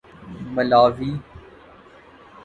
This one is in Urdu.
ملاوی